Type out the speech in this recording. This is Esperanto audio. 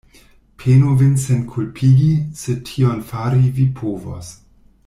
Penu vin senkulpigi, se tion fari vi povos.